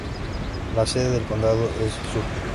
La sede del condado es Sutton.